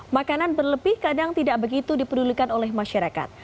makanan berlebih kadang tidak begitu diperdulukan oleh masyarakat